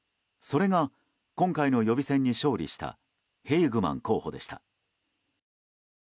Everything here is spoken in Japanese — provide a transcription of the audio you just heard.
それが今回の予備選に勝利したヘイグマン候補でした。